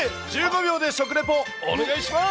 １５秒で食レポお願いします。